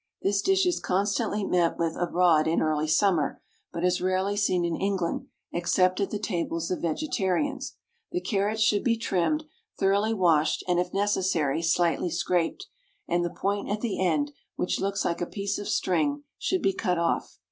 This dish is constantly met with abroad in early summer, but is rarely seen in England, except at the tables of vegetarians. The carrots should be trimmed, thoroughly washed, and, if necessary, slightly scraped, and the point at the end, which looks like a piece of string, should be cut off.